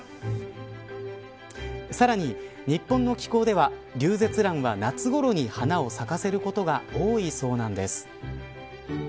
さらに、日本の気候ではリュウゼツランは夏ごろに花を咲かせることが多いそうなんです。